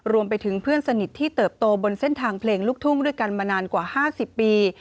รวมไปถึงเพื่อนสนิทที่เติบโตบนเส้นทางเพลงลูกทุ่งด้วยกันมานานกว่า๕๐ปี